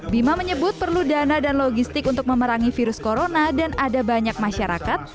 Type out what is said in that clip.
bima menyebut perlu dana dan logistik untuk memerangi virus corona dan ada banyak masyarakat